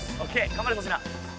頑張れ粗品。